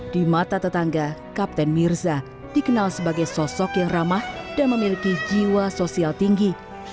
di mata tetangga kapten mirza dikenal sebagai sosok yang ramah dan memiliki jiwa sosial tinggi